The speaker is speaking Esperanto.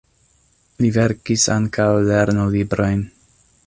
Li verkis ankaŭ lernolibrojn.